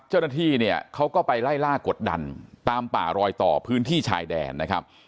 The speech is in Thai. เจ้าหน้าที่เนี่ยเขาก็ไปไล่ล่ากดดันตามป่ารอยต่อพื้นที่ชายแดนนะครับ